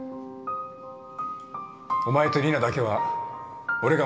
お前と里奈だけは俺が守る。